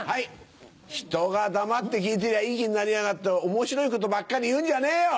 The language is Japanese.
ひとが黙って聞いてりゃいい気になりやがって面白いことばっかり言うんじゃねえよ。